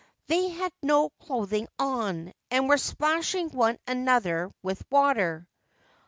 They had no clothing on, and were splashing one another with water.